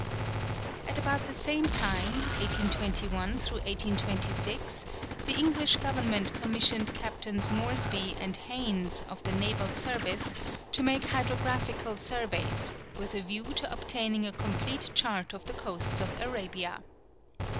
At about the same time, 1821 1826, the English Government commissioned Captains Moresby and Haines, of the naval service, to make hydrographical surveys with a view to obtaining a complete chart of the coasts of Arabia.